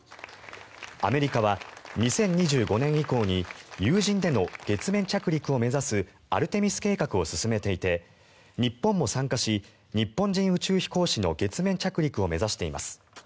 アメリカは２０２５年以降に有人での月面着陸を目指すアルテミス計画を進めていて日本も参加し日本人宇宙飛行士の月面着陸を目指しています。